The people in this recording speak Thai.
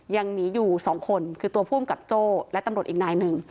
ยังหนีอยู่สองคนคือตัวผู้อำกับโจ้และตำรวจอีกนายหนึ่ง